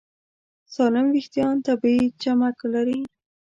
سالم وېښتيان طبیعي چمک لري.